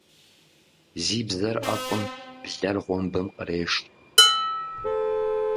Зи бзэ IэфIым блэр гъуэмбым къреш.